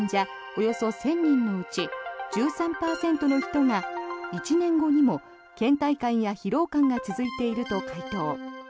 およそ１０００人のうち１３％の人が１年後にもけん怠感や疲労感が続いていると回答。